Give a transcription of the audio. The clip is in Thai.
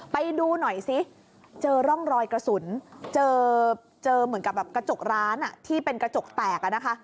ไปดูหน่อยซิเจอร่องรอยกระสุนเจอเหมือนกับแบบกระจกร้านที่เป็นกระจกแตกอะนะคะ